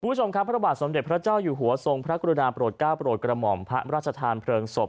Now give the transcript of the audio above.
คุณผู้ชมครับพระบาทสมเด็จพระเจ้าอยู่หัวทรงพระกรุณาโปรดก้าวโปรดกระหม่อมพระราชทานเพลิงศพ